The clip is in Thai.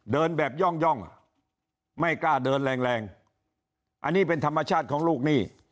เดินแบบย่องไม่กล้าเดินแรงแรงอันนี้เป็นธรรมชาติของลูกหนี้